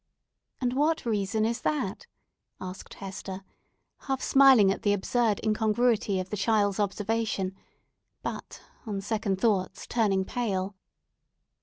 "And what reason is that?" asked Hester, half smiling at the absurd incongruity of the child's observation; but on second thoughts turning pale.